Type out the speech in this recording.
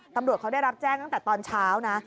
ตำรวจเขาได้รับแจ้งตั้งแต่ตอนเช้านะ